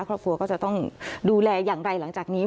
ครอบครัวก็จะต้องดูแลอย่างไรหลังจากนี้